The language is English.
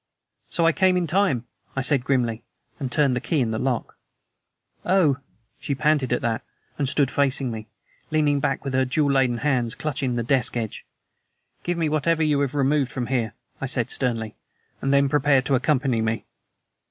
"So I came in time," I said grimly, and turned the key in the lock. "Oh!" she panted at that, and stood facing me, leaning back with her jewel laden hands clutching the desk edge. "Give me whatever you have removed from here," I said sternly, "and then prepare to accompany me."